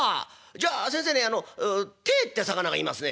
じゃあ先生ねてえって魚がいますね」。